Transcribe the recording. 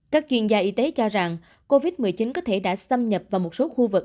các chuyên gia y tế cho rằng covid một mươi chín có thể đã xâm nhập vào một số khu vực